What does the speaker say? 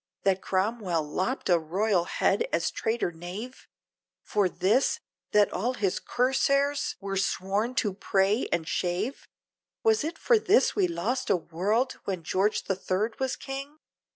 that Cromwell lopped a royal head as traitor knave? For this! that all his cuirassiers were sworn to pray and shave? Was it for this we lost a world! when George the Third was king?